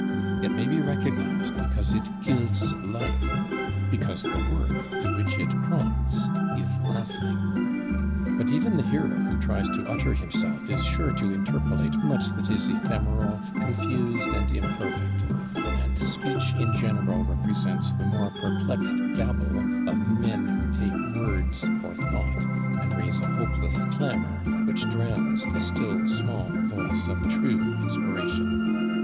It may be recognized because it gives life; because the work to which it prompts is lasting. But even the hero who tries to utter himself is sure to interpolate much that is ephemeral, confused, and imperfect; and speech in general represents the mere perplexed gabble of men who take words for thought, and raise a hopeless clamor which drowns the still small voice of true inspiration.